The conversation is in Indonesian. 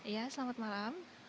iya selamat malam